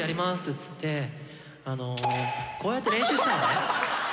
っつってこうやって練習してた。